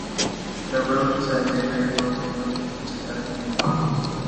Several decades later it was given its current name.